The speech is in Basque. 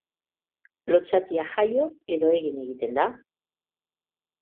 Lotsatia jaio edo egin egiten da?